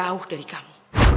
sangat akhir disini